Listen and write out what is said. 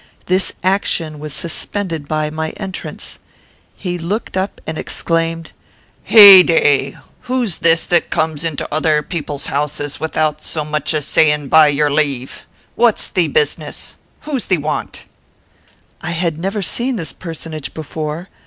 This action was suspended by my entrance. He looked up and exclaimed, "Heyday! who's this that comes into other people's houses without so much as saying 'by your leave'? What's thee business? Who's thee want?" I had never seen this personage before.